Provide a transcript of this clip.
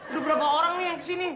udah berapa orang yang ke sini